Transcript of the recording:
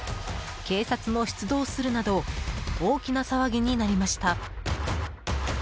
警察も出動するなど大きな騒ぎになりました。